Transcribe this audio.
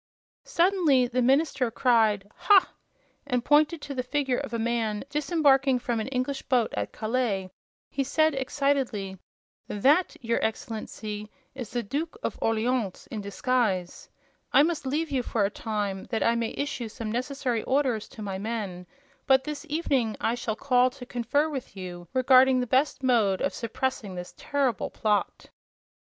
Suddenly the minister cried, "Ha!" and, pointing to the figure of a man disembarking from an English boat at Calais, he said, excitedly: "That, your Excellency, is the Duke of Orleans, in disguise! I must leave you for a time, that I may issue some necessary orders to my men; but this evening I shall call to confer with you regarding the best mode of suppressing this terrible plot."